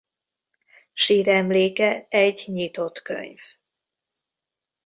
Síremléke egy nyitott könyv.